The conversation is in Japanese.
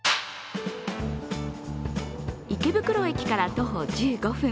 池袋駅から徒歩１５分。